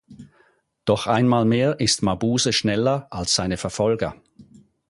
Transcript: Doch einmal mehr ist Mabuse schneller als seine Verfolger.